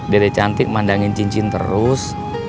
dede cantik mandangin cincin terus